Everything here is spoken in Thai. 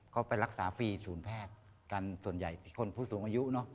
ก็ไปรักษาฟรีศูนย์แพทย์กันส่วนใหญ่คนผู้สูงอายุเนอะ